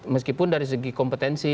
meskipun dari segi kompetensi